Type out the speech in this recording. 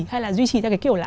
hay là duy trì theo cái kiểu là